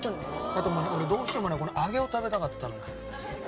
あと俺どうしてもね揚げを食べたかったのよ。